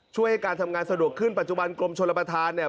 ช่วยให้การทำงานสะดวกขึ้นปัจจุบันกรมชนประธานเนี่ย